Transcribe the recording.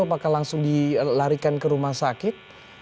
apakah langsung dilarikan ke rumah sakit